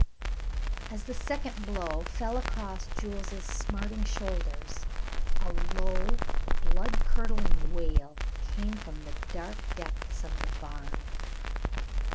As the second blow fell across Jules's smarting shoulders, a low, blood curdling wail came from the dark depths of the barn.